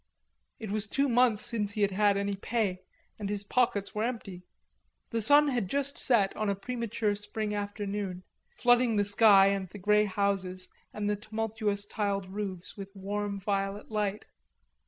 It was two months since he had had any pay, and his pockets were empty. The sun had just set on a premature spring afternoon, flooding the sky and the grey houses and the tumultuous tiled roofs with warm violet light.